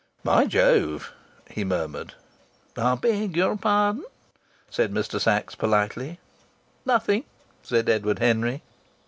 "By Jove!" he murmured. "I beg your pardon," said Mr. Sachs, politely. "Nothing!" said Edward Henry.